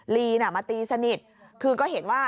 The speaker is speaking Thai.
ลีนมาตีสนิทคือก็เห็นว่า